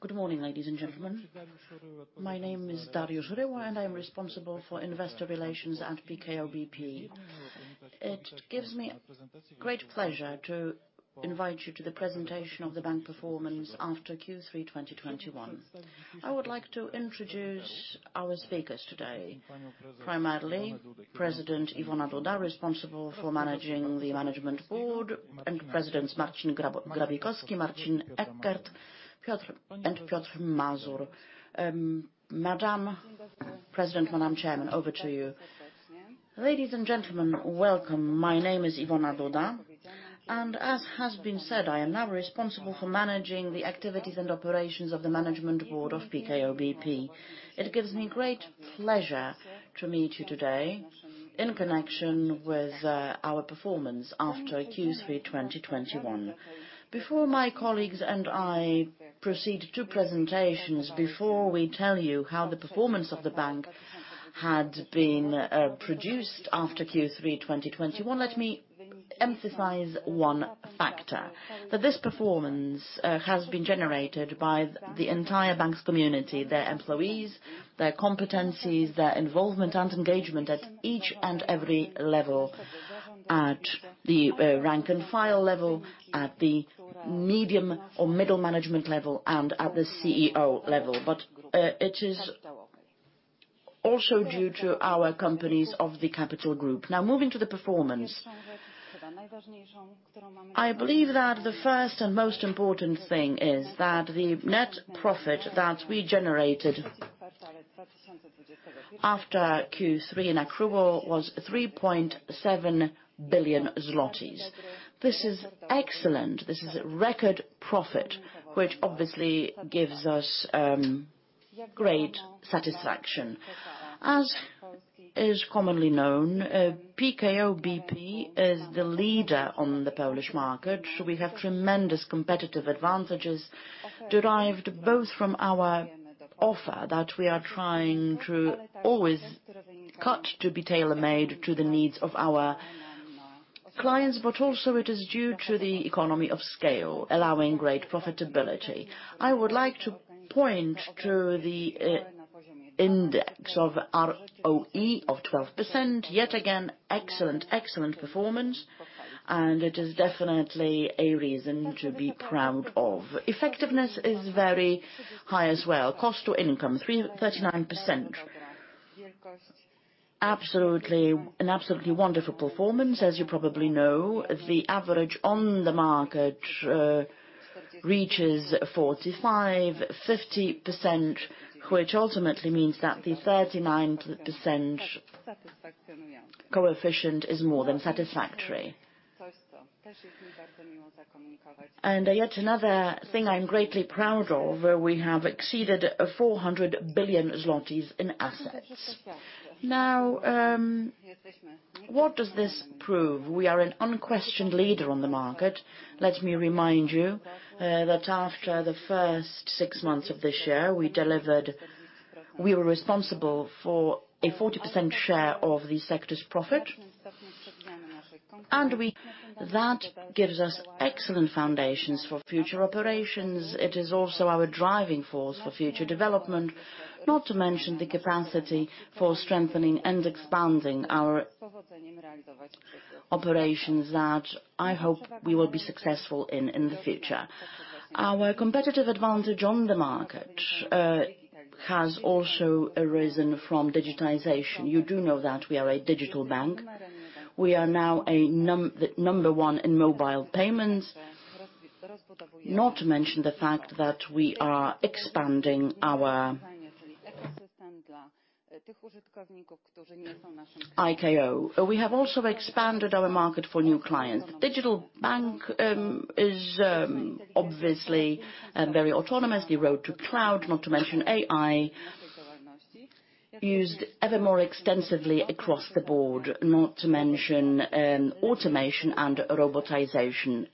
Good morning, ladies and gentlemen. My name is Dariusz Dariusz Choryło and I'm responsible for investor relations at PKO BP. It gives me great pleasure to invite you to the presentation of the bank performance after Q3 2021. I would like to introduce our speakers today. Primarily, President Iwona Duda, responsible for managing the management board, and Presidents Marcin Grabowski, Marcin Eckert, and Piotr Mazur. Madam President, Madam Chairman, over to you. Ladies and gentlemen, welcome. My name is Iwona Duda, and as has been said, I am now responsible for managing the activities and operations of the management board of PKO BP. It gives me great pleasure to meet you today in connection with our performance after Q3 2021. Before my colleagues and I proceed to presentations, before we tell you how the performance of the bank had been produced after Q3 2021, let me emphasize one factor. That this performance has been generated by the entire bank's community, their employees, their competencies, their involvement and engagement at each and every level. At the rank and file level, at the medium or middle management level, and at the CEO level. It is also due to our companies of the Capital Group. Now, moving to the performance. I believe that the first and most important thing is that the net profit that we generated after Q3 in accrual was 3.7 billion zlotys. This is excellent. This is a record profit, which obviously gives us great satisfaction. As is commonly known, PKO BP is the leader on the Polish market. We have tremendous competitive advantages derived both from our offer that we are trying to always cut to be tailor-made to the needs of our clients, but also it is due to the economy of scale, allowing great profitability. I would like to point to the index of ROE of 12%. Yet again, excellent performance, and it is definitely a reason to be proud of. Effectiveness is very high as well. Cost to income, 39%. An absolutely wonderful performance. As you probably know, the average on the market reaches 45%, 50%, which ultimately means that the 39% coefficient is more than satisfactory. Yet another thing I'm greatly proud of, we have exceeded 400 billion zlotys in assets. Now, what does this prove? We are an unquestioned leader on the market. Let me remind you that after the first six months of this year, we were responsible for a 40% share of the sector's profit. That gives us excellent foundations for future operations. It is also our driving force for future development, not to mention the capacity for strengthening and expanding our operations that I hope we will be successful in the future. Our competitive advantage on the market has also arisen from digitization. You do know that we are a digital bank. We are now number 1 in mobile payments, not to mention the fact that we are expanding our IKO. We have also expanded our market for new clients. Digital bank is obviously very autonomous. The road to cloud, not to mention AI, used ever more extensively across the board, not to mention automation and robotization.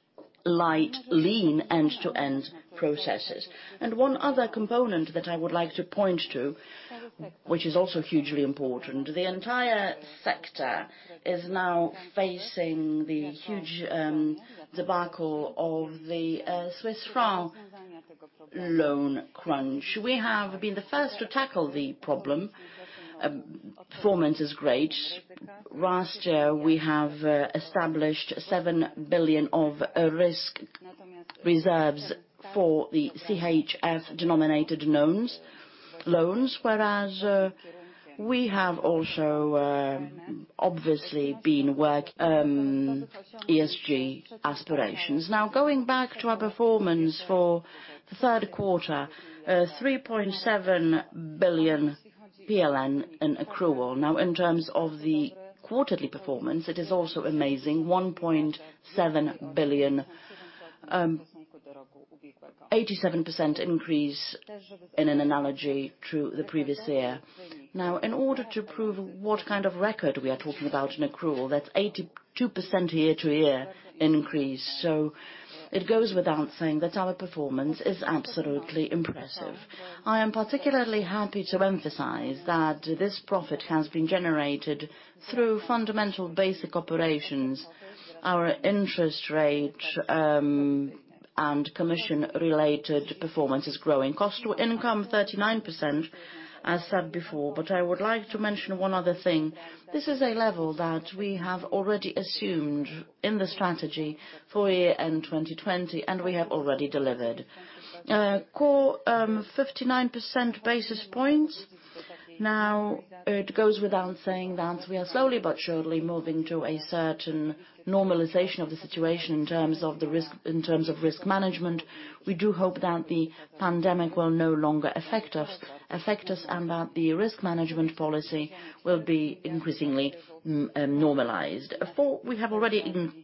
Light, lean, end-to-end processes. One other component that I would like to point to, which is also hugely important. The entire sector is now facing the huge debacle of the Swiss franc loan crunch. We have been the first to tackle the problem. Performance is great. Last year, we have established 7 billion of risk reserves for the CHF-denominated loans, whereas we have also obviously been work, ESG aspirations. Going back to our performance for the third quarter. 3.7 billion PLN in accrual. In terms of the quarterly performance, it is also amazing, 1.7 billion. 87% increase in analogy to the previous year. In order to prove what kind of record we are talking about in accrual, that's 82% year-over-year increase. It goes without saying that our performance is absolutely impressive. I am particularly happy to emphasize that this profit has been generated through fundamental basic operations. Our interest rate and commission-related performance is growing. Cost to income 39%, as said before, I would like to mention one other thing. This is a level that we have already assumed in the strategy for year-end 2020, we have already delivered. It goes without saying that we are slowly but surely moving to a certain normalization of the situation in terms of risk management. We do hope that the pandemic will no longer affect us, that the risk management policy will be increasingly normalized. We have already even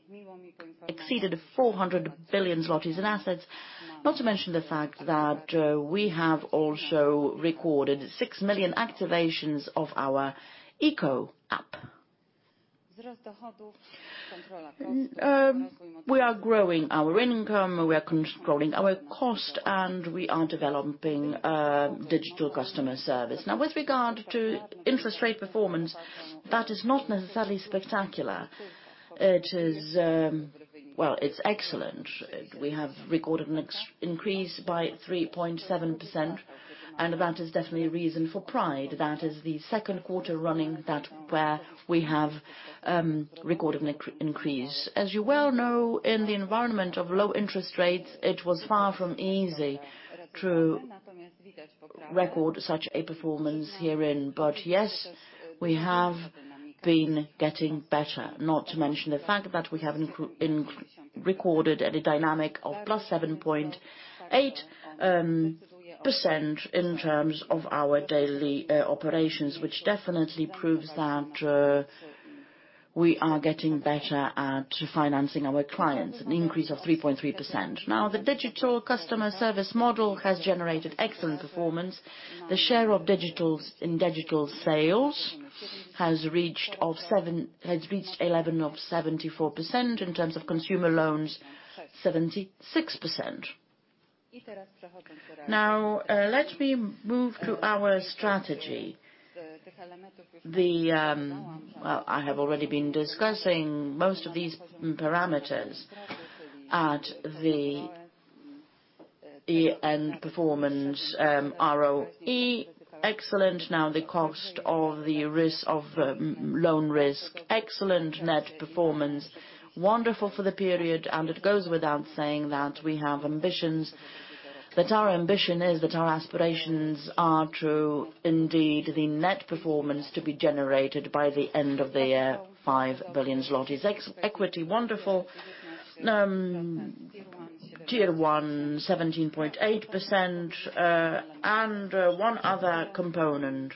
exceeded 400 billion zlotys in assets. Not to mention the fact that we have also recorded 6 million activations of our IKO app. We are growing our income, we are controlling our cost, we are developing digital customer service. With regard to interest rate performance, that is not necessarily spectacular. It's excellent. We have recorded an increase by 3.7%, that is definitely a reason for pride. That is the second quarter running where we have recorded an increase. As you well know, in the environment of low interest rates, it was far from easy to record such a performance herein. Yes, we have been getting better. Not to mention the fact that we have recorded a dynamic of +7.8% in terms of our daily operations, which definitely proves that we are getting better at financing our clients. An increase of 3.3%. The digital customer service model has generated excellent performance. The share of digital sales has reached 74%. In terms of consumer loans, 76%. Let me move to our strategy. I have already been discussing most of these parameters at the year-end performance. ROE, excellent. The cost of the risk of loan risk, excellent net performance, wonderful for the period, it goes without saying that our ambition is that our aspirations are true indeed. The net performance to be generated by the end of the year, 5 billion zlotys. Equity, wonderful. Tier 1, 17.8%. One other component.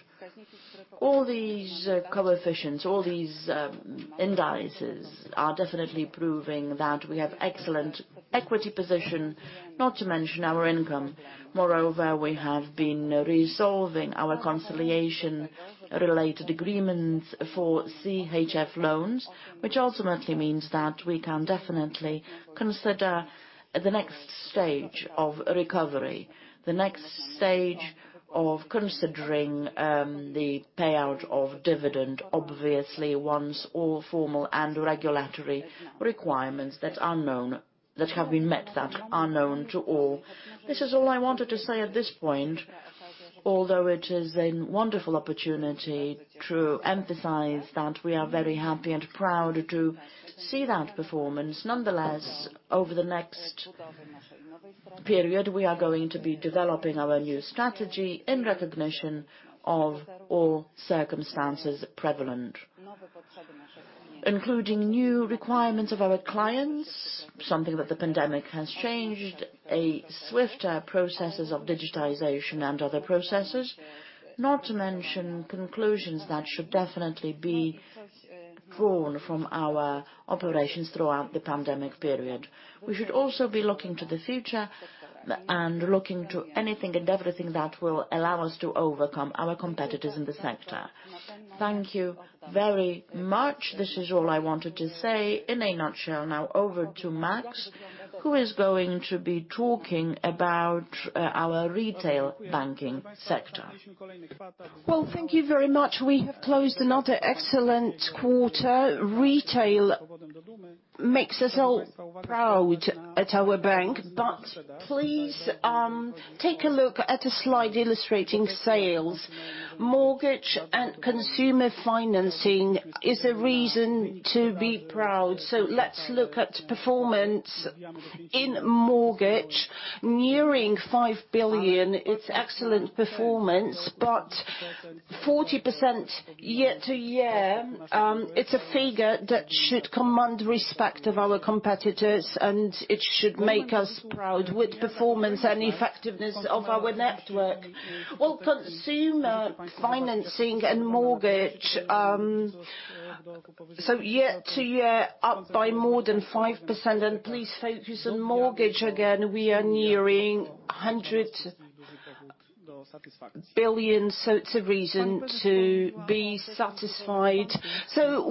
All these coefficients, all these indices are definitely proving that we have excellent equity position, not to mention our income. Moreover, we have been resolving our conciliation-related agreements for CHF loans, which ultimately means that we can definitely consider the next stage of recovery. The next stage of considering the payout of dividend. Obviously, once all formal and regulatory requirements that have been met, that are known to all. This is all I wanted to say at this point. Although it is a wonderful opportunity to emphasize that we are very happy and proud to see that performance. Nonetheless, over the next period, we are going to be developing our new strategy in recognition of all circumstances prevalent. Including new requirements of our clients, something that the pandemic has changed. Swifter processes of digitization and other processes. Not to mention conclusions that should definitely be drawn from our operations throughout the pandemic period. We should also be looking to the future and looking to anything and everything that will allow us to overcome our competitors in the sector. Thank you very much. This is all I wanted to say in a nutshell. Now over to Maks, who is going to be talking about our retail banking sector. Well, thank you very much. We closed another excellent quarter. Retail makes us all proud at our bank. Please take a look at the slide illustrating sales. Mortgage and consumer financing is a reason to be proud. Let's look at performance in mortgage. Nearing 5 billion, it's excellent performance. 40% year-to-year, it's a figure that should command respect of our competitors. It should make us proud with performance and effectiveness of our network. Well, consumer financing and mortgage. Year-to-year, up by more than 5%. Please focus on mortgage again. We are nearing 100 billion. It's a reason to be satisfied.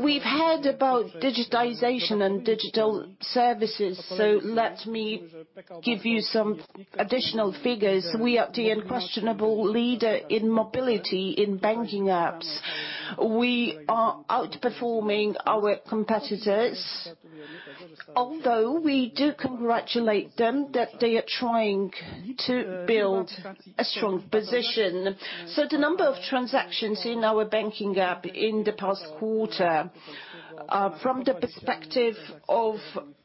We've heard about digitization and digital services. Let me give you some additional figures. We are the unquestionable leader in mobility in banking apps. We are outperforming our competitors, although we do congratulate them that they are trying to build a strong position. The number of transactions in our banking app in the past quarter, from the perspective of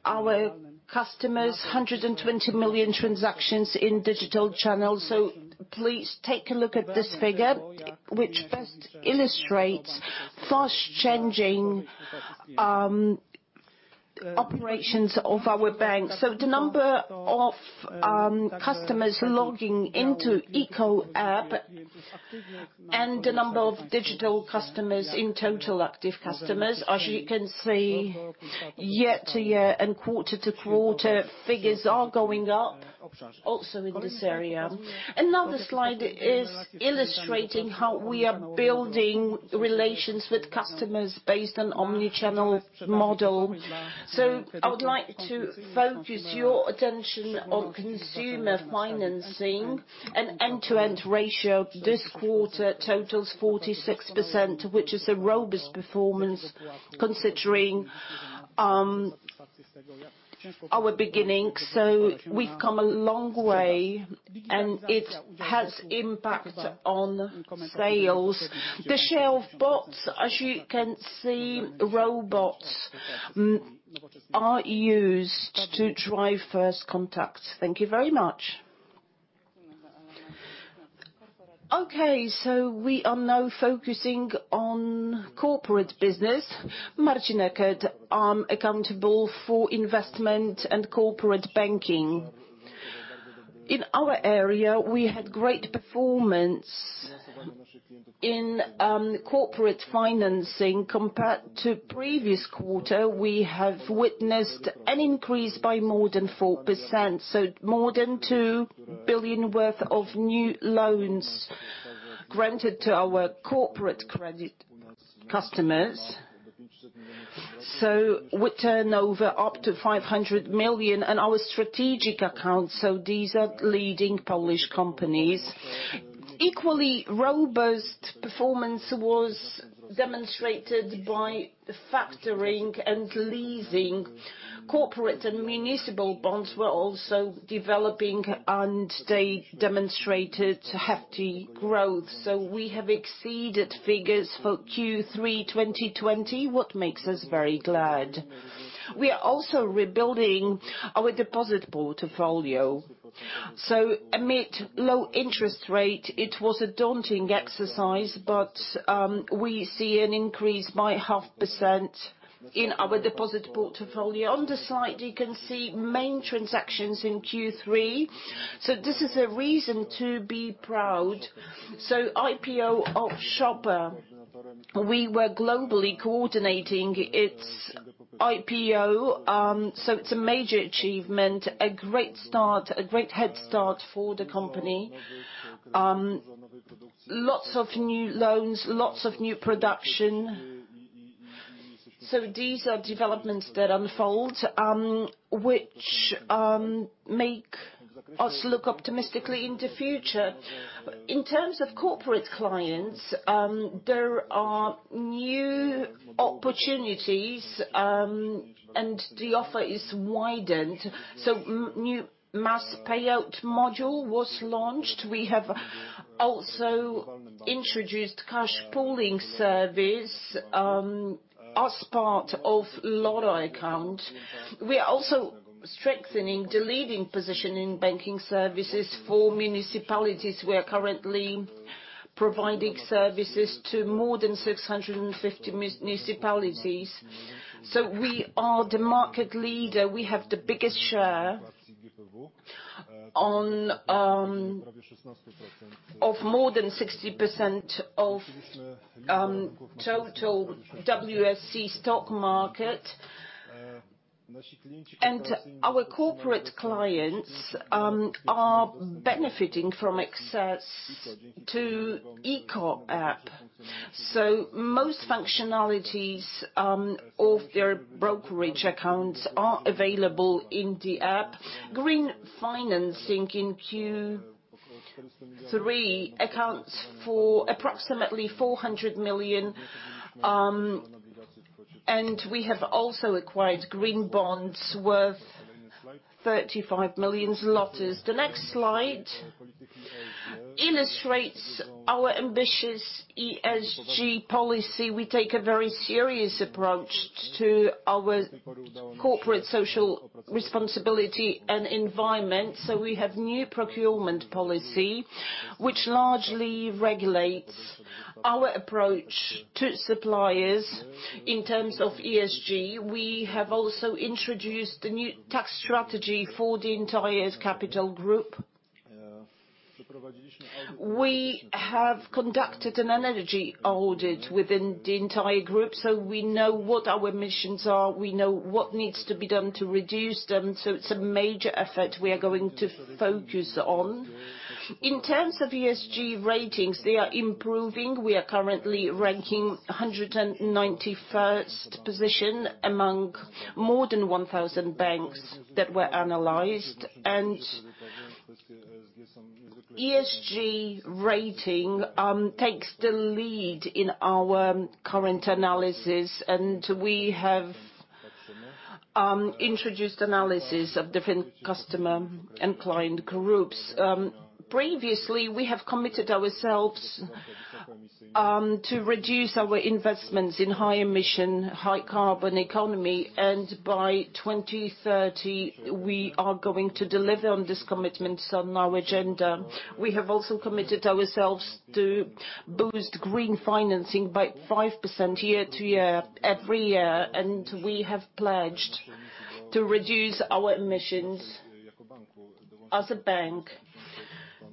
our customers, 120 million transactions in digital channels. Please take a look at this figure, which best illustrates fast-changing operations of our bank. The number of customers logging into IKO and the number of digital customers in total active customers. As you can see, year-to-year and quarter-to-quarter figures are going up, also in this area. Another slide is illustrating how we are building relations with customers based on omni-channel model. I would like to focus your attention on consumer financing and end-to-end ratio. This quarter totals 46%, which is a robust performance considering our beginning. We've come a long way. It has impact on sales. The chatbots, as you can see, robots are used to drive first contact. Thank you very much. Okay, we are now focusing on corporate business. Marcin Eckert, I'm accountable for investment and corporate banking. In our area, we had great performance in corporate financing. Compared to previous quarter, we have witnessed an increase by more than 4%. More than 2 billion worth of new loans granted to our corporate credit customers. With turnover up to 500 million in our strategic accounts, these are leading Polish companies. Equally robust performance was demonstrated by the factoring and leasing. Corporate and municipal bonds were also developing. They demonstrated hefty growth. We have exceeded figures for Q3 2020, what makes us very glad. We are also rebuilding our deposit portfolio. Amid low interest rate, it was a daunting exercise, but we see an increase by 0.5% in our deposit portfolio. On the slide, you can see main transactions in Q3. This is a reason to be proud. IPO of Shoper, we were globally coordinating its IPO, it's a major achievement, a great headstart for the company. Lots of new loans, lots of new production. These are developments that unfold, which make us look optimistically into future. In terms of corporate clients, there are new opportunities, and the offer is widened. New mass payout module was launched. We have also introduced cash pooling service as part of Loto account. We are also strengthening the leading position in banking services for municipalities. We are currently providing services to more than 650 municipalities. We are the market leader. We have the biggest share of more than 60% of total WSE stock market. Our corporate clients are benefiting from access to IKO app. Most functionalities of their brokerage accounts are available in the app. Green financing in Q3 accounts for approximately 400 million, and we have also acquired green bonds worth 35 million zlotys. The next slide illustrates our ambitious ESG policy. We take a very serious approach to our corporate social responsibility and environment. We have new procurement policy, which largely regulates our approach to suppliers in terms of ESG. We have also introduced the new tax strategy for the entire Capital Group. We have conducted an energy audit within the entire group, we know what our emissions are. We know what needs to be done to reduce them. It's a major effort we are going to focus on. In terms of ESG ratings, they are improving. We are currently ranking 191st position among more than 1,000 banks that were analyzed. ESG rating takes the lead in our current analysis, we have introduced analysis of different customer and client groups. Previously, we have committed ourselves to reduce our investments in high-emission, high-carbon economy, by 2030 we are going to deliver on this commitments on our agenda. We have also committed ourselves to boost green financing by 5% year-to-year every year, we have pledged to reduce our emissions as a bank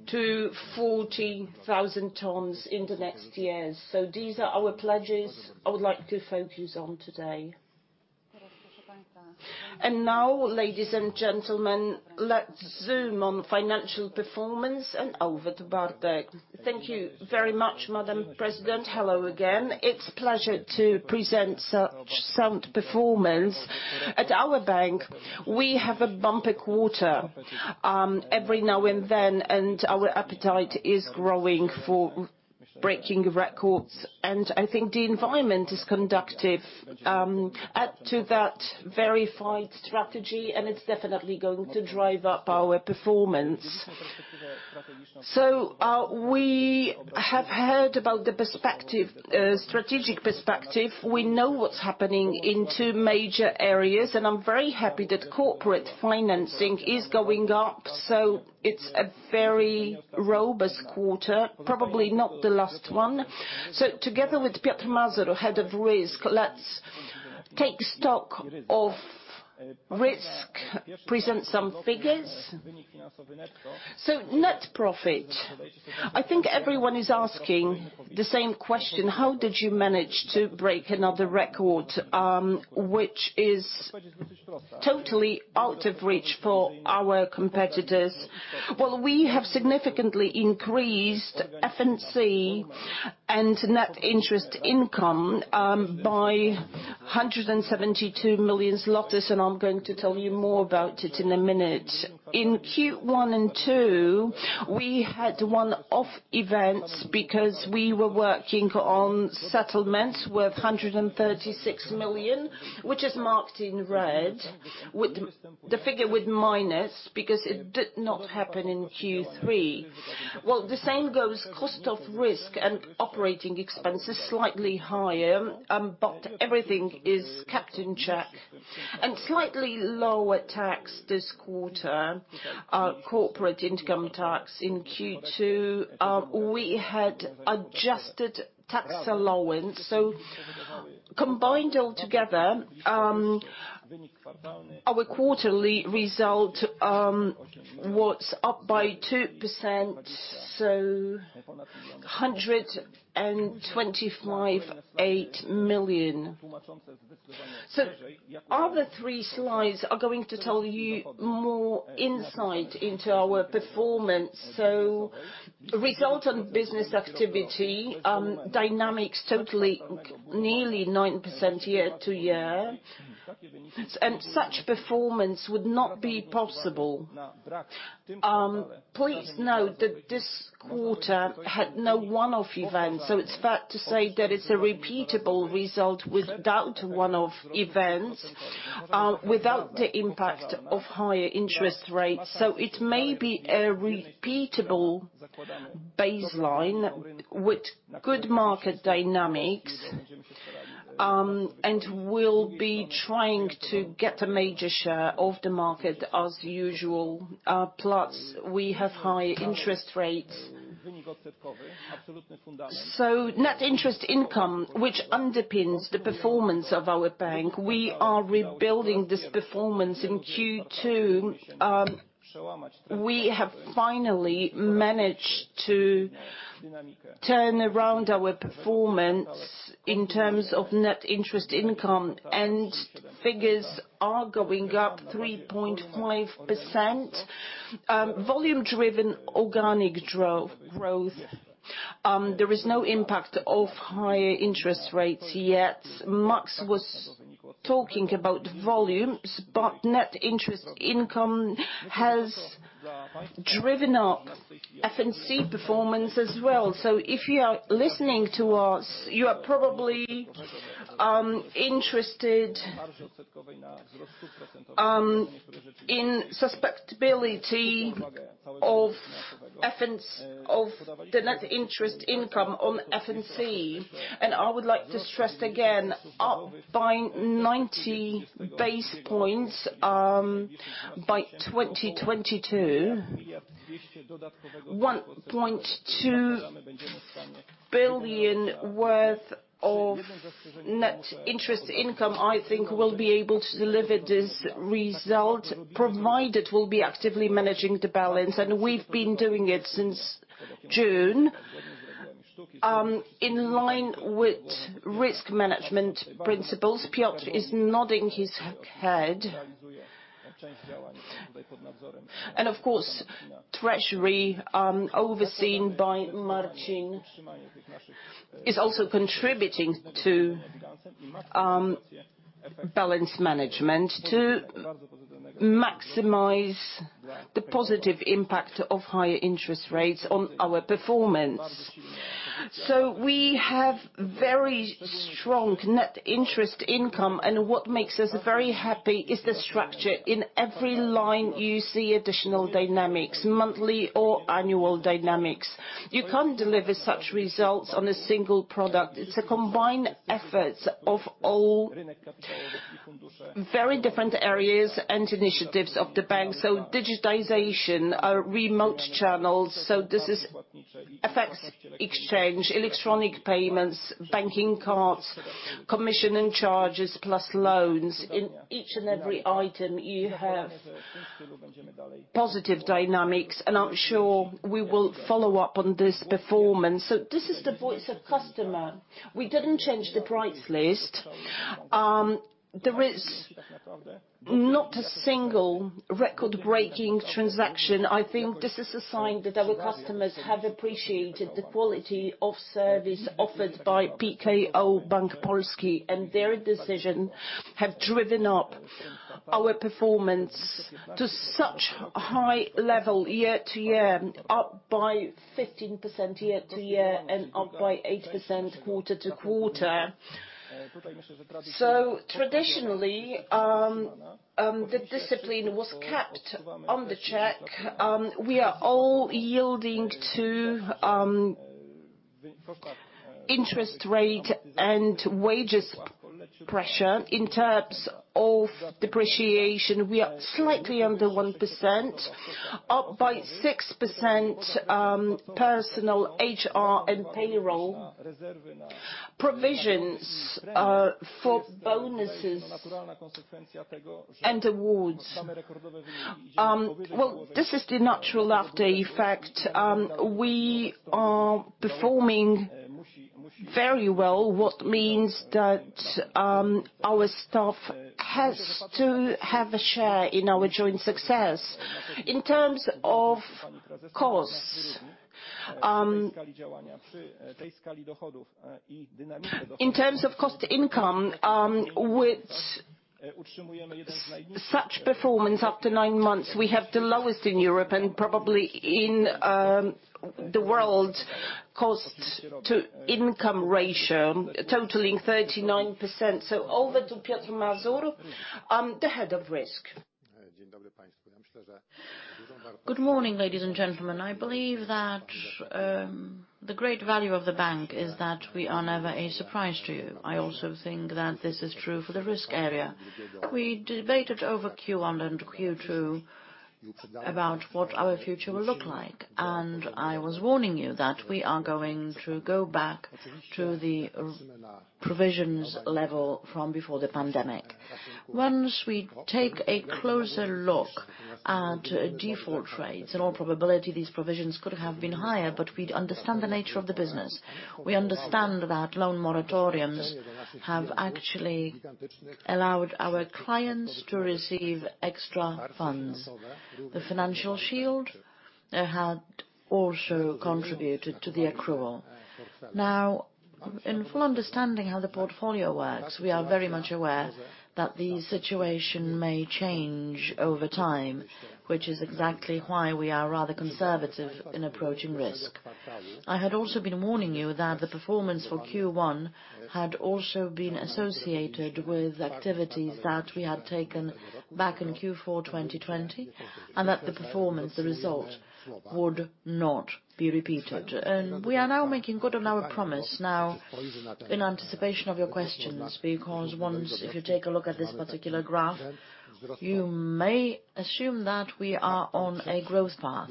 to 40,000 tons in the next years. These are our pledges I would like to focus on today. Now, ladies and gentlemen, let's zoom on financial performance. Over to Bartek. Thank you very much, Madam President. Hello again. It's pleasure to present such sound performance at our bank. We have a bumpy quarter every now and then, our appetite is growing for breaking records. I think the environment is conducive, add to that verified strategy, it's definitely going to drive up our performance. We have heard about the strategic perspective. We know what's happening in two major areas, I'm very happy that corporate financing is going up. It's a very robust quarter, probably not the last one. Together with Piotr Mazur, Head of Risk, let's take stock of risk, present some figures. Net profit, I think everyone is asking the same question: how did you manage to break another record, which is totally out of reach for our competitors? Well, we have significantly increased F&C and net interest income by 172 million zlotys, I'm going to tell you more about it in a minute. In Q1 and 2, we had one-off events because we were working on settlements worth 136 million, which is marked in red, with the figure with minus, because it did not happen in Q3. The same goes cost of risk and operating expenses, slightly higher. Everything is kept in check. Slightly lower tax this quarter. Corporate income tax in Q2, we had adjusted tax allowance. Combined all together, our quarterly result was up by 2%, 125.8 million. Other three slides are going to tell you more insight into our performance. Result on business activity, dynamics totally nearly 9% year-over-year. Such performance would not be possible. Please note that this quarter had no one-off events, so it's fair to say that it's a repeatable result without one-off events, without the impact of higher interest rates. It may be a repeatable baseline with good market dynamics. We'll be trying to get a major share of the market as usual. Plus, we have high interest rates. Net interest income, which underpins the performance of our bank, we are rebuilding this performance in Q2. We have finally managed to turn around our performance in terms of net interest income, and figures are going up 3.5%. Volume-driven organic growth. There is no impact of higher interest rates yet. Maks was talking about volumes, but net interest income has driven up F&C performance as well. If you are listening to us, you are probably interested in susceptibility of the net interest income on F&C. I would like to stress again, up by 90 basis points by 2022, 1.2 billion worth of net interest income, I think we'll be able to deliver this result, provided we'll be actively managing the balance, and we've been doing it since June. In line with risk management principles, Piotr is nodding his head. Of course, treasury, overseen by Marcin, is also contributing to balance management to maximize the positive impact of higher interest rates on our performance. We have very strong net interest income, and what makes us very happy is the structure. In every line, you see additional dynamics, monthly or annual dynamics. You can't deliver such results on a single product. It's a combined effort of all very different areas and initiatives of the bank. Digitization, our remote channels, this affects exchange, electronic payments, banking cards, commission and charges, plus loans. In each and every item, you have positive dynamics. I'm sure we will follow up on this performance. This is the voice of customer. We didn't change the price list. There is not a single record-breaking transaction. I think this is a sign that our customers have appreciated the quality of service offered by PKO Bank Polski, and their decisions have driven up our performance to such a high level year-over-year, up by 15% year-over-year and up by 8% quarter-over-quarter. Traditionally, the discipline was kept on the check. We are all yielding to interest rate and wages pressure. In terms of depreciation, we are slightly under 1%, up by 6%, personal HR and payroll. Provisions for bonuses and awards. This is the natural after effect. We are performing very well, what means that our staff has to have a share in our joint success. In terms of cost to income, with such performance after nine months, we have the lowest in Europe and probably in the world cost to income ratio totaling 39%. Over to Piotr Mazur, the head of risk. Good morning, ladies and gentlemen. I believe that the great value of the bank is that we are never a surprise to you. I also think that this is true for the risk area. We debated over Q1 and Q2 about what our future will look like, and I was warning you that we are going to go back to the provisions level from before the pandemic. Once we take a closer look at default rates, in all probability, these provisions could have been higher, but we'd understand the nature of the business. We understand that loan moratoriums have actually allowed our clients to receive extra funds. The financial shield had also contributed to the accrual. In full understanding how the portfolio works, we are very much aware that the situation may change over time, which is exactly why we are rather conservative in approaching risk. I had also been warning you that the performance for Q1 had also been associated with activities that we had taken back in Q4 2020, and that the performance, the result, would not be repeated. We are now making good on our promise. In anticipation of your questions, because if you take a look at this particular graph, you may assume that we are on a growth path.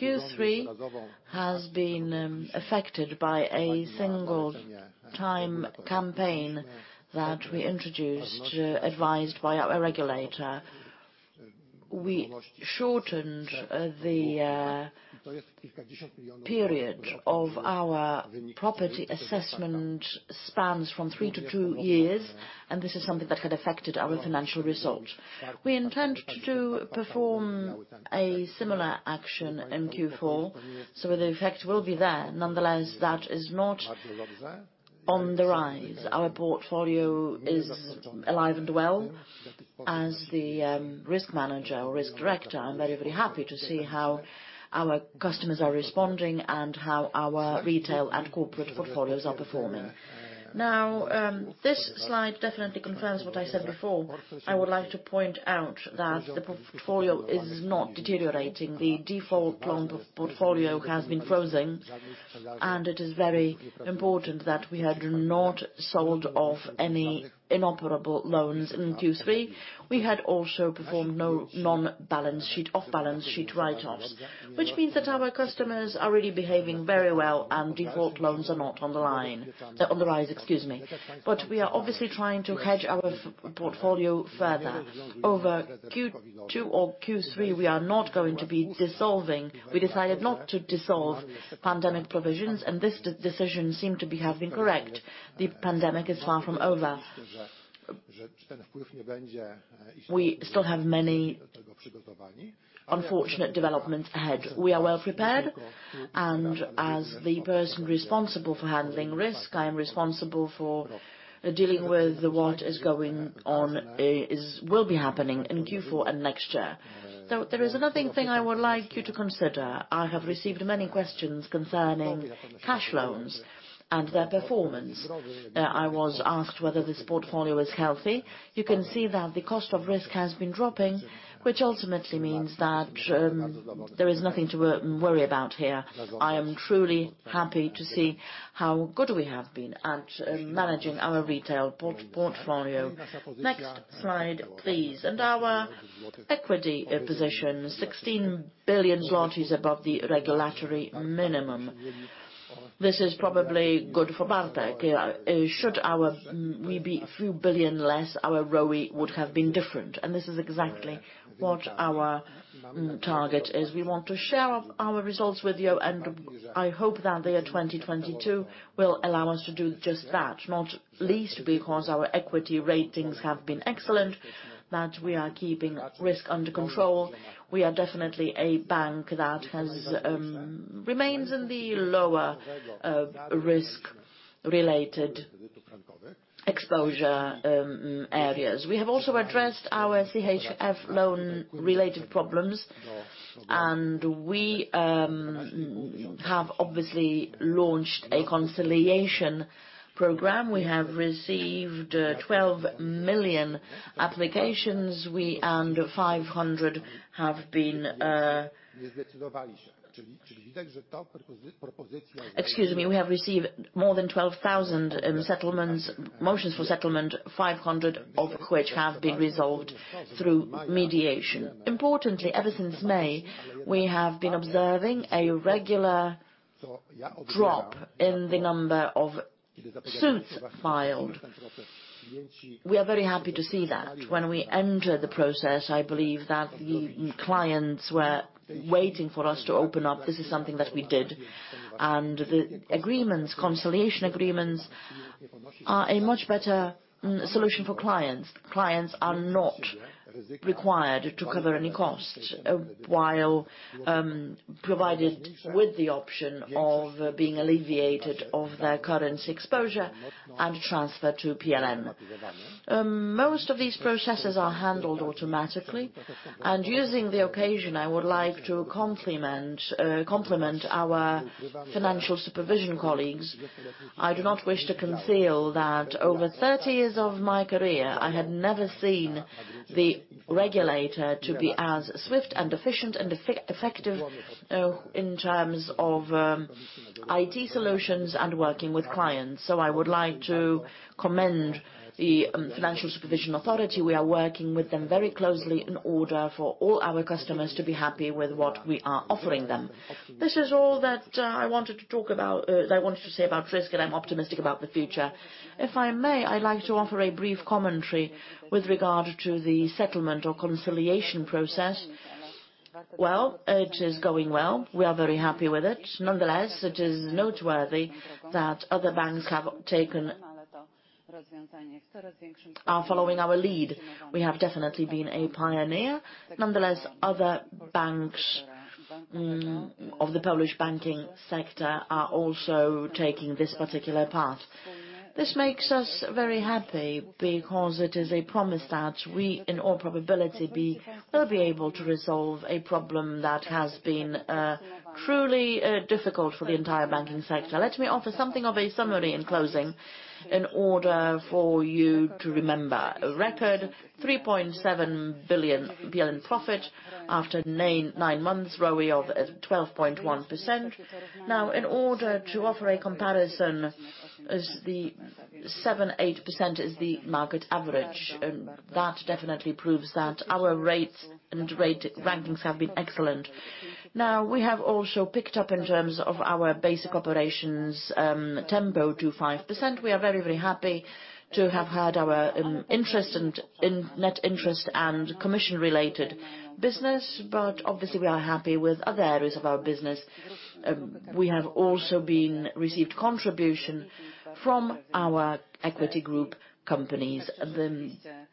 Q3 has been affected by a single-time campaign that we introduced, advised by our regulator. We shortened the period of our property assessment spans from three to two years, and this is something that had affected our financial result. We intend to perform a similar action in Q4, the effect will be there. Nonetheless, that is not on the rise. Our portfolio is alive and well. As the risk manager or risk director, I'm very, very happy to see how our customers are responding and how our retail and corporate portfolios are performing. This slide definitely confirms what I said before. I would like to point out that the portfolio is not deteriorating. The default loan portfolio has been frozen, and it is very important that we had not sold off any inoperable loans in Q3. We had also performed no off-balance sheet write-offs, which means that our customers are really behaving very well and default loans are not on the rise. We are obviously trying to hedge our portfolio further. Over Q2 or Q3, we are not going to be dissolving. We decided not to dissolve pandemic provisions, and this decision seemed to have been correct. The pandemic is far from over. We still have many unfortunate developments ahead. We are well prepared. As the person responsible for handling risk, I am responsible for dealing with what will be happening in Q4 and next year. There is another thing I would like you to consider. I have received many questions concerning cash loans and their performance. I was asked whether this portfolio is healthy. You can see that the cost of risk has been dropping, which ultimately means that there is nothing to worry about here. I am truly happy to see how good we have been at managing our retail portfolio. Next slide, please. Our equity position, 16 billion zlotys above the regulatory minimum. This is probably good for Bartek. Should we be a few billion less, our ROE would have been different. This is exactly what our target is. We want to share our results with you. I hope that the year 2022 will allow us to do just that, not least because our equity ratings have been excellent, that we are keeping risk under control. We are definitely a bank that remains in the lower risk-related exposure areas. We have also addressed our CHF loan-related problems. We have obviously launched a conciliation program. We have received more than 12,000 motions for settlement, 500 of which have been resolved through mediation. Importantly, ever since May, we have been observing a regular drop in the number of suits filed. We are very happy to see that. When we entered the process, I believe that the clients were waiting for us to open up. This is something that we did. The conciliation agreements are a much better solution for clients. Clients are not required to cover any cost while provided with the option of being alleviated of their currency exposure and transferred to PLN. Most of these processes are handled automatically. Using the occasion, I would like to compliment our financial supervision colleagues. I do not wish to conceal that over 30 years of my career, I had never seen the regulator to be as swift and efficient and effective in terms of IT solutions and working with clients. I would like to commend the Financial Supervision Authority. We are working with them very closely in order for all our customers to be happy with what we are offering them. This is all that I wanted to say about risk. I'm optimistic about the future. If I may, I'd like to offer a brief commentary with regard to the settlement or conciliation process. Well, it is going well. We are very happy with it. Nonetheless, it is noteworthy that other banks are following our lead. We have definitely been a pioneer. Nonetheless, other banks of the Polish banking sector are also taking this particular path. This makes us very happy because it is a promise that we, in all probability, will be able to resolve a problem that has been truly difficult for the entire banking sector. Let me offer something of a summary in closing in order for you to remember. A record 3.7 billion profit after nine months, ROE of 12.1%. Now, in order to offer a comparison, 7%-8% is the market average. That definitely proves that our rate and rankings have been excellent. Now, we have also picked up in terms of our basic operations tempo to 5%. We are very, very happy to have had our net interest and commission-related business. Obviously, we are happy with other areas of our business. We have also received contribution from our equity group companies.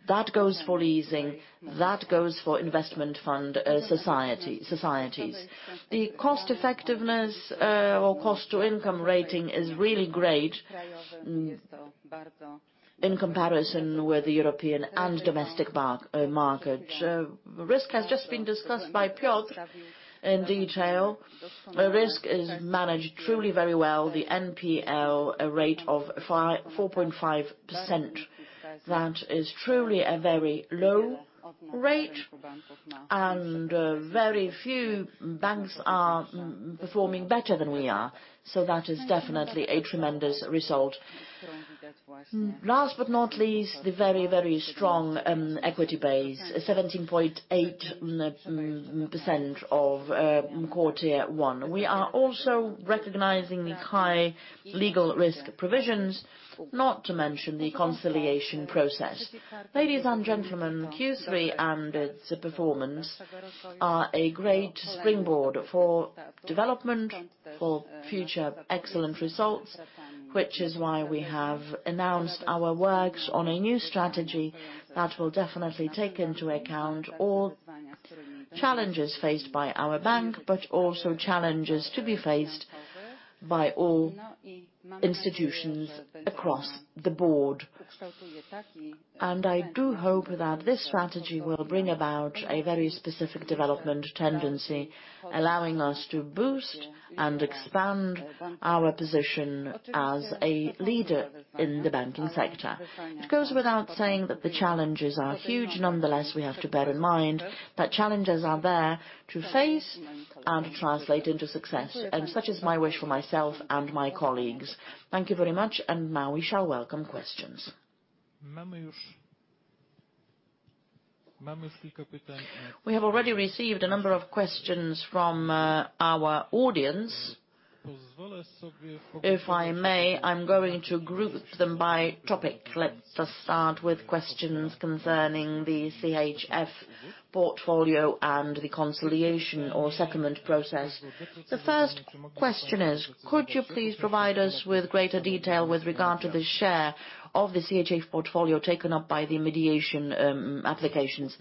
That goes for leasing, that goes for investment fund associations. The cost effectiveness or cost to income rating is really great in comparison with the European and domestic market. Risk has just been discussed by Piotr in detail. The risk is managed truly very well. The NPL rate of 4.5%. That is truly a very low rate, and very few banks are performing better than we are. That is definitely a tremendous result. Last but not least, the very, very strong equity base, 17.8% of Core Tier 1. We are also recognizing the high legal risk provisions, not to mention the conciliation process. Ladies and gentlemen, Q3 and its performance are a great springboard for development for future excellent results, which is why we have announced our works on a new strategy that will definitely take into account all challenges faced by our bank, but also challenges to be faced by all institutions across the board. I do hope that this strategy will bring about a very specific development tendency, allowing us to boost and expand our position as a leader in the banking sector. It goes without saying that the challenges are huge. Nonetheless, we have to bear in mind that challenges are there to face and translate into success, and such is my wish for myself and my colleagues. Thank you very much, and now we shall welcome questions. We have already received a number of questions from our audience. If I may, I am going to group them by topic. Let us start with questions concerning the CHF portfolio and the conciliation or settlement process. The first question is: Could you please provide us with greater detail with regard to the share of the CHF portfolio taken up by the mediation applications?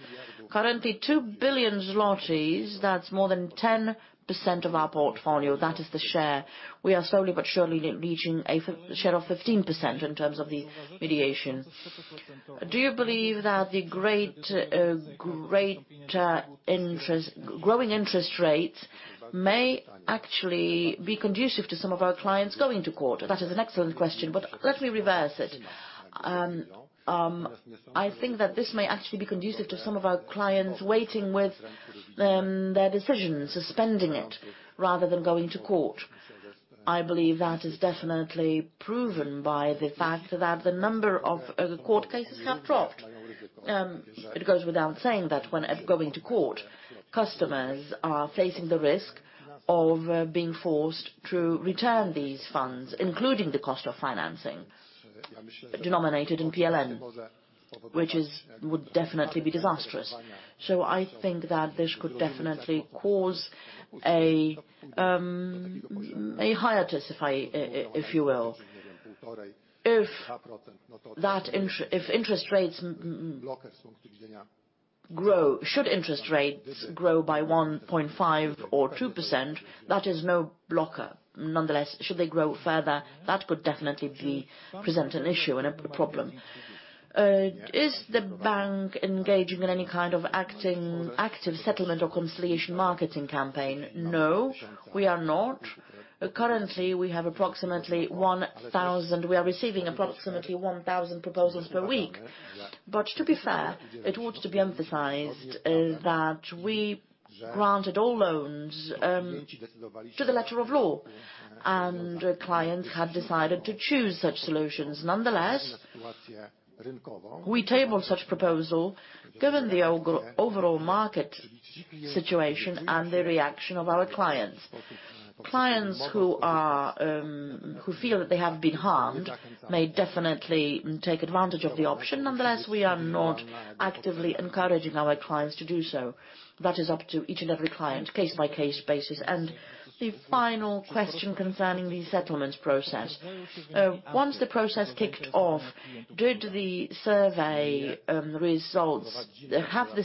Currently, 2 billion zlotys. That is more than 10% of our portfolio. That is the share. We are slowly but surely reaching a share of 15% in terms of the mediation. Do you believe that the growing interest rates may actually be conducive to some of our clients going to court? That is an excellent question, but let me reverse it. I think that this may actually be conducive to some of our clients waiting with their decisions, suspending it rather than going to court. I believe that is definitely proven by the fact that the number of court cases have dropped. It goes without saying that when going to court, customers are facing the risk of being forced to return these funds, including the cost of financing denominated in PLN, which would definitely be disastrous. I think that this could definitely cause a hiatus, if you will. Should interest rates grow by 1.5% or 2%, that is no blocker. Nonetheless, should they grow further, that could definitely present an issue and a problem. Is the bank engaging in any kind of active settlement or conciliation marketing campaign? No, we are not. Currently, we are receiving approximately 1,000 proposals per week. To be fair, it ought to be emphasized that we granted all loans to the letter of law, and clients had decided to choose such solutions. Nonetheless, we table such proposal given the overall market situation and the reaction of our clients. Clients who feel that they have been harmed may definitely take advantage of the option. Nonetheless, we are not actively encouraging our clients to do so. That is up to each and every client case by case basis. The final question concerning the settlements process. Once the process kicked off, have the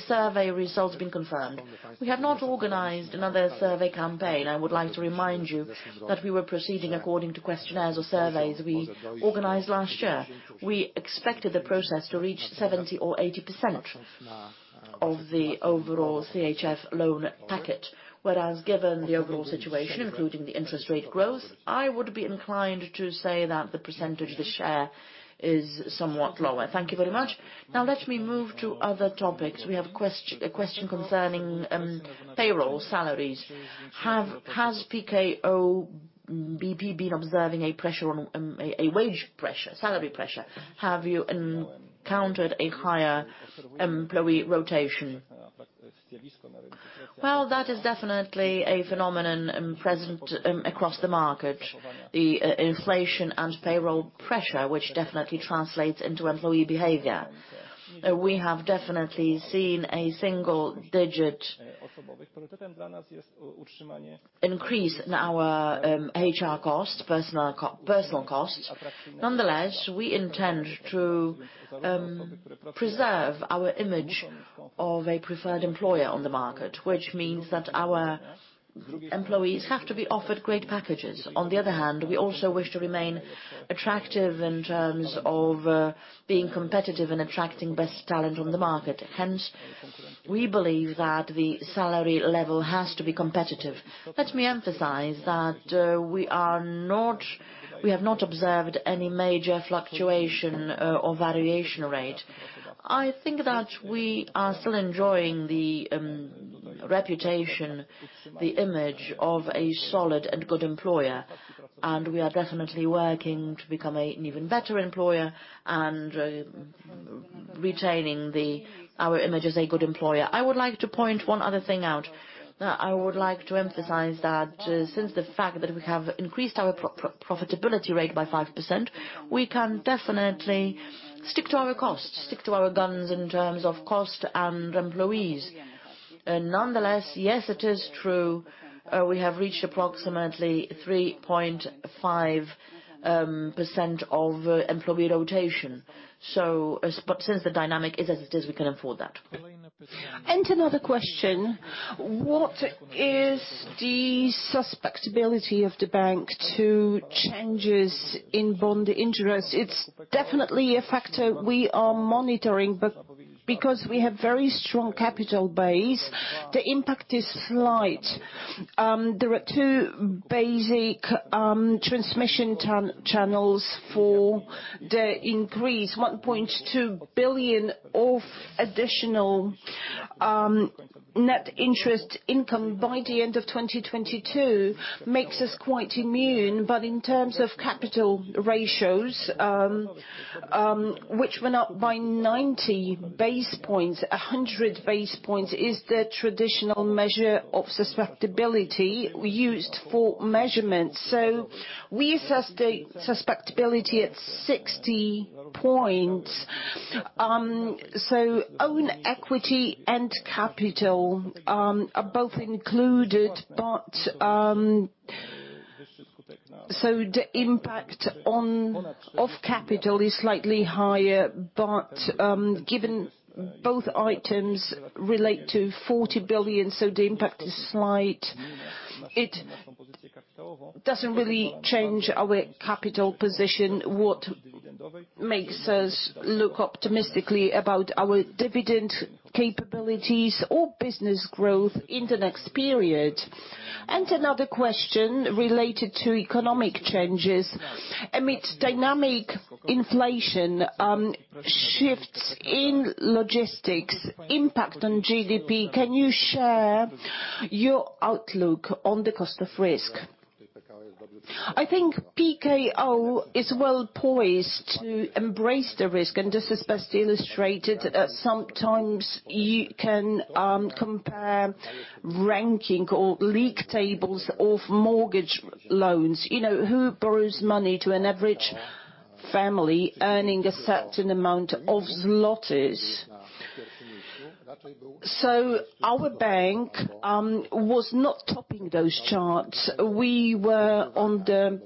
survey results been confirmed? We have not organized another survey campaign. I would like to remind you that we were proceeding according to questionnaires or surveys we organized last year. We expected the process to reach 70% or 80% of the overall CHF loan packet, whereas given the overall situation, including the interest rate growth, I would be inclined to say that the percentage, the share, is somewhat lower. Thank you very much. Now let me move to other topics. We have a question concerning payroll salaries. Has PKO BP been observing a wage pressure, salary pressure? Have you encountered a higher employee rotation? Well, that is definitely a phenomenon present across the market, the inflation and payroll pressure, which definitely translates into employee behavior. We have definitely seen a single-digit increase in our HR cost, personal cost. Nonetheless, we intend to preserve our image of a preferred employer on the market, which means that our employees have to be offered great packages. On the other hand, we also wish to remain attractive in terms of being competitive and attracting best talent on the market. Hence, we believe that the salary level has to be competitive. Let me emphasize that we have not observed any major fluctuation or variation rate. I think that we are still enjoying the reputation, the image of a solid and good employer, and we are definitely working to become an even better employer and retaining our image as a good employer. I would like to point one other thing out. I would like to emphasize that since the fact that we have increased our profitability rate by 5%, we can definitely stick to our guns in terms of cost and employees. Nonetheless, yes, it is true. We have reached approximately 3.5% of employee rotation. Since the dynamic is as it is, we can afford that. Another question, what is the susceptibility of the bank to changes in bond interest? It is definitely a factor we are monitoring, but because we have very strong capital base, the impact is slight. There are two basic transmission channels for the increase. 1.2 billion of additional net interest income by the end of 2022 makes us quite immune. In terms of capital ratios, which were up by 90 basis points, 100 basis points is the traditional measure of susceptibility used for measurement. We assess the susceptibility at 60 points. Own equity and capital are both included. The impact of capital is slightly higher, but given both items relate to 40 billion, the impact is slight. It doesn't really change our capital position, what makes us look optimistically about our dividend capabilities or business growth in the next period. Another question related to economic changes. Amid dynamic inflation shifts in logistics impact on GDP, can you share your outlook on the cost of risk? I think PKO is well-poised to embrace the risk, and this is best illustrated. Sometimes you can compare ranking or league tables of mortgage loans. Who borrows money to an average family earning a certain amount of złoty? Our bank was not topping those charts. We were on the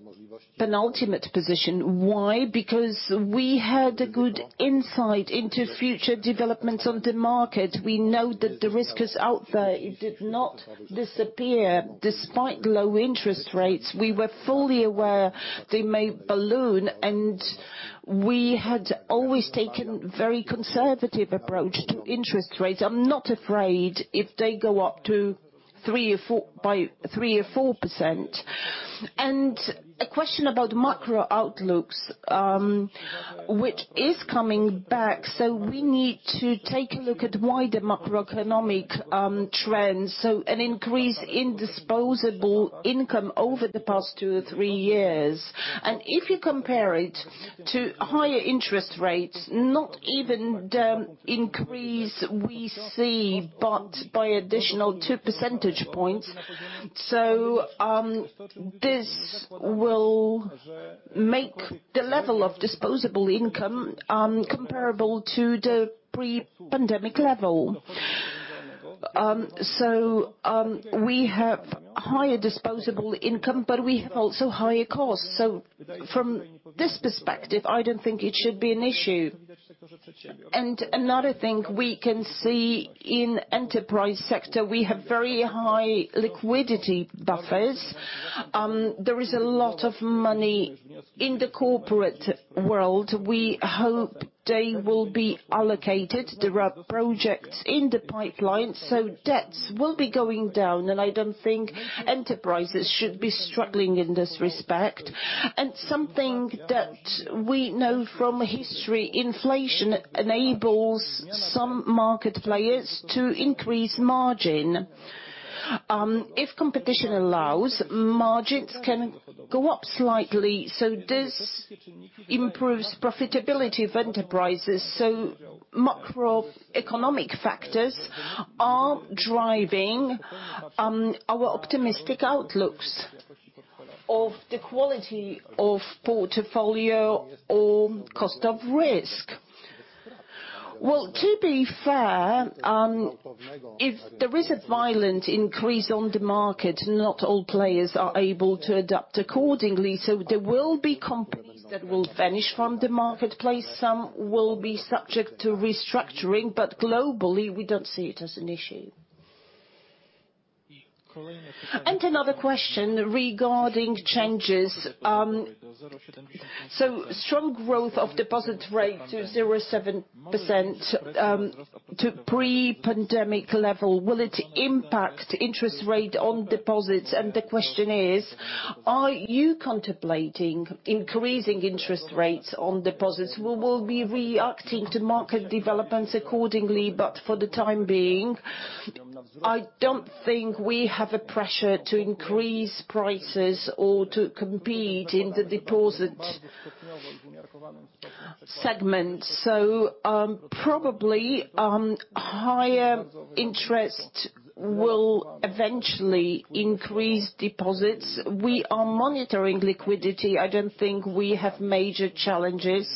penultimate position. Why? Because we had a good insight into future developments on the market. We know that the risk is out there. It did not disappear. Despite low interest rates, we were fully aware they may balloon, and we had always taken very conservative approach to interest rates. I'm not afraid if they go up by 3% or 4%. A question about macro outlooks, which is coming back. We need to take a look at wider macroeconomic trends. An increase in disposable income over the past two or three years. If you compare it to higher interest rates, not even the increase we see, but by additional two percentage points. This will make the level of disposable income comparable to the pre-pandemic level. We have higher disposable income, but we have also higher costs. From this perspective, I don't think it should be an issue. Another thing we can see in enterprise sector, we have very high liquidity buffers. There is a lot of money in the corporate world. We hope they will be allocated. There are projects in the pipeline, debts will be going down, I don't think enterprises should be struggling in this respect. Something that we know from history, inflation enables some market players to increase margin. If competition allows, margins can go up slightly. This improves profitability of enterprises. Macroeconomic factors are driving our optimistic outlooks of the quality of portfolio or cost of risk. To be fair, if there is a violent increase on the market, not all players are able to adapt accordingly. There will be companies that will vanish from the marketplace. Some will be subject to restructuring. Globally, we don't see it as an issue. Another question regarding changes. Strong growth of deposit rate to 0.7% to pre-pandemic level. Will it impact interest rate on deposits? The question is, are you contemplating increasing interest rates on deposits? We will be reacting to market developments accordingly. For the time being, I don't think we have a pressure to increase prices or to compete in the deposit segment. Probably higher interest will eventually increase deposits. We are monitoring liquidity. I don't think we have major challenges.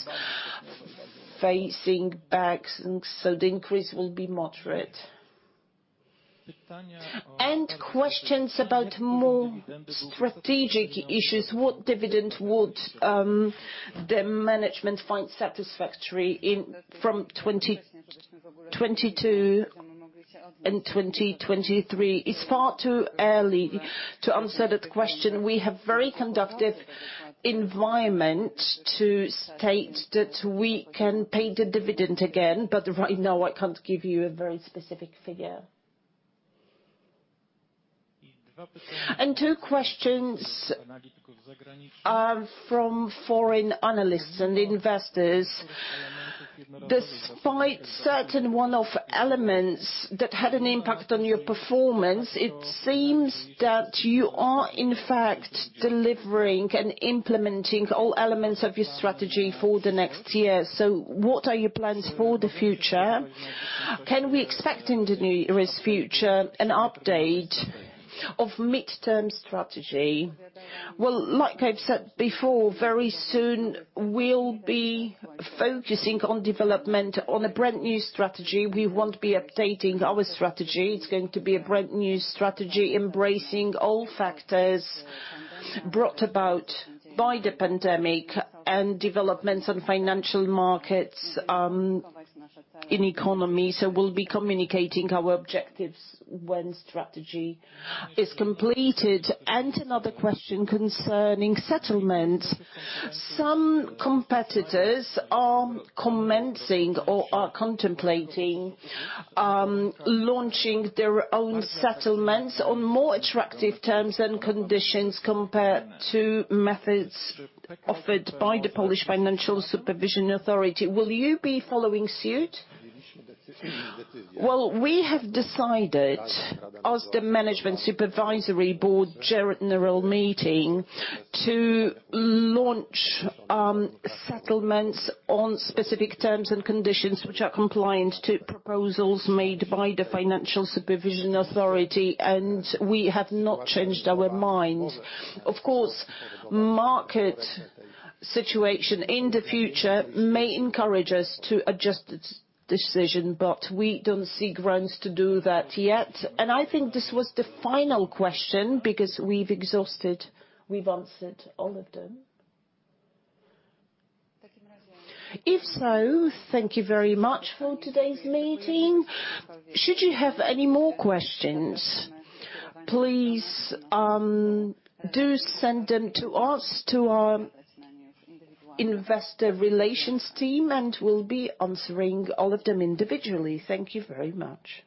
So the increase will be moderate. Questions about more strategic issues. What dividend would the management find satisfactory from 2022 and 2023? It's far too early to answer that question. We have very conductive environment to state that we can pay the dividend again, but right now I can't give you a very specific figure. Two questions are from foreign analysts and investors. Despite certain one-off elements that had an impact on your performance, it seems that you are in fact delivering and implementing all elements of your strategy for the next year. What are your plans for the future? Can we expect in the nearest future an update of midterm strategy? Like I've said before, very soon we'll be focusing on development on a brand new strategy. We won't be updating our strategy. It's going to be a brand new strategy, embracing all factors brought about by the pandemic and developments on financial markets, in economy. We'll be communicating our objectives when strategy is completed. Another question concerning settlement. Some competitors are commencing or are contemplating launching their own settlements on more attractive terms and conditions compared to methods offered by the Polish Financial Supervision Authority. Will you be following suit? We have decided as the management supervisory board general meeting to launch settlements on specific terms and conditions which are compliant to proposals made by the Financial Supervision Authority, and we have not changed our mind. Of course, market situation in the future may encourage us to adjust this decision, but we don't see grounds to do that yet. I think this was the final question because we've exhausted, we've answered all of them. If so, thank you very much for today's meeting. Should you have any more questions, please do send them to us, to our investor relations team, and we'll be answering all of them individually. Thank you very much.